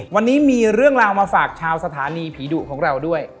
วันนี้มีเรื่องราวมาฝากชาวสถานีผีดุของเราด้วย